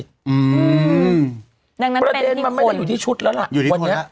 อืมประเทศมันไม่ได้อยู่ที่ชุดแล้วล่ะอยู่ที่คนล่ะ